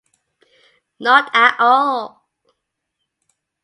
Not at all.